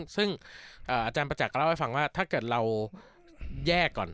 ซึ่งอาจารย์ประจักษ์เล่าให้ฟังว่าถ้าเกิดเราแยกก่อน